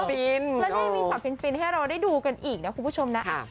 แล้วจะมีชอตฟินให้เราได้ดูกันอีกนะครับคุณผู้ชมนะครับ